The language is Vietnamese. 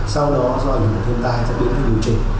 sau đó do ảnh hưởng của thiên tài ra tiến theo điều trình